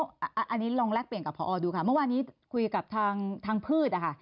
อันนี้ลองแลกเปลี่ยนกับพอดูค่ะเมื่อวานนี้คุยกับทางพืชนะคะ